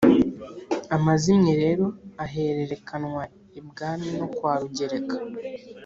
amazimwe rero ahererekanwa ibwami no kwa rugereka: